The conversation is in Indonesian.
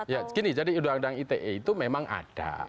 ya gini jadi undang undang ite itu memang ada